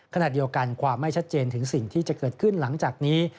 ขณะเดียวกันความไม่ชัดเจนถึงสิ่งที่จะเกิดขึ้นหลังจากนี้